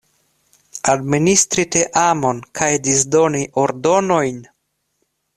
Administri teamon kaj disdoni ordonojn?